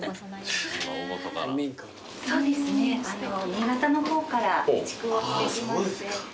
新潟の方から移築をしてきまして。